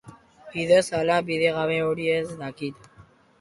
Bidez ala bidegabe, hori ez dakit.